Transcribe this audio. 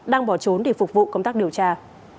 đang bỏ trốn để phục vụ công tác điều tra